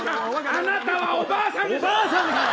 あなたはおばあさん。